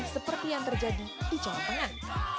seperti yang terjadi di jawa tengah